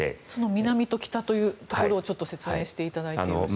南と北というところを説明していただけますか。